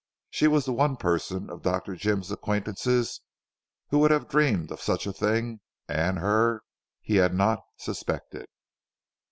She was the one person of Dr. Jim's acquaintances, who would have dreamed of such a thing, and her, he had not suspected.